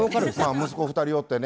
息子２人おってね